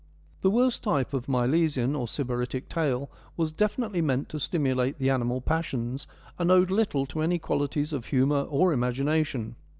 The worst type of Milesian or Sybaritic tale was definitely meant to stimulate the animal passions, and owed little to any qualities of humour or imagina tion.